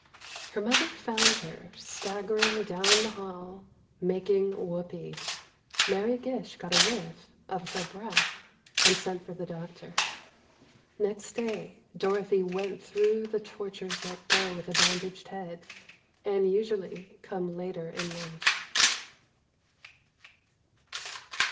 Her mother found her, staggering down the hall, "making whoopee." Mary Gish got a whiff of her breath, and sent for the doctor. Next day Dorothy went through the tortures that go with a bandaged head, and usually come later in life.